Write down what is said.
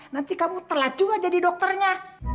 nanti kamu telat juga jadi dokternya